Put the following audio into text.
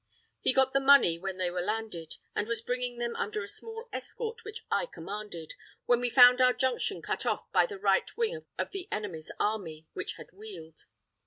He got the money when they were landed, and was bringing them under a small escort, which I commanded, when we found our junction cut off by the right wing of the enemy's army, which had wheeled.